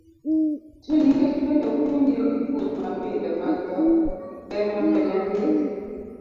To nikech wende ok winjre gi puonj mapile mag dhok, ber mondo jandik